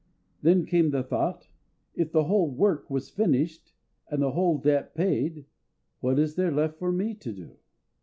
Then came the thought, "If the whole work was finished and the whole debt paid, what is there left for me to do?"